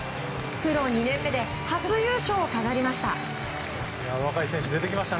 プロ２年目で初優勝を飾りました。